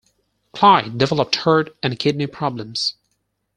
Clyde developed heart and kidney problems.